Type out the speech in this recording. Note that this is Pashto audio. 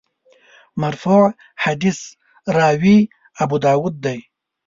مرفوع حدیث راوي ابوداوود دی.